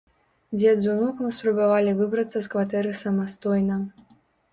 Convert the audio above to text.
Дзед з унукам спрабавалі выбрацца з кватэры самастойна.